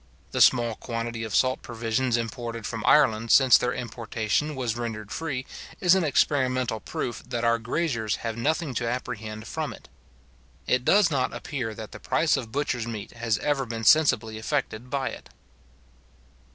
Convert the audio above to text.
The small quantity of salt provisions imported from Ireland since their importation was rendered free, is an experimental proof that our graziers have nothing to apprehend from it. It does not appear that the price of butcher's meat has ever been sensibly affected by it.